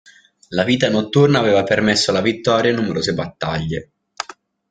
La vita notturna aveva permesso la vittoria in numerose battaglie.